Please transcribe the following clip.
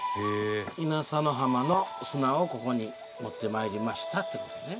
稲佐の浜の砂をここに持って参りましたっていう事ね。